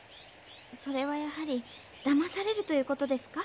それはやはり騙されるという事ですか？